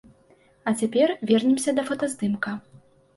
А цяпер вернемся да фотаздымка.